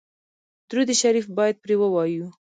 درود شریف باید پرې ووایو.